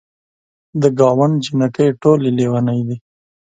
د ګاونډ جینکۍ ټولې لیونۍ دي.